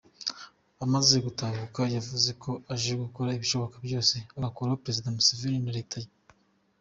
Amaze gutahuka yavuze ko aje gukora ibishoboka byose agakuraho Perezida Museveni na Leta ye.